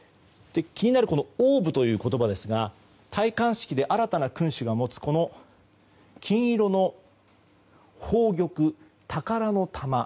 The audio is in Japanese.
気になるオーブという言葉ですが戴冠式で新たな君主が持つこの金色の宝玉、宝の玉。